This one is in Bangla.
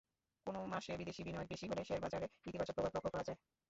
কোনো মাসে বিদেশি বিনিয়োগ বেশি হলে শেয়ারবাজারে ইতিবাচক প্রভাব লক্ষ করা যায়।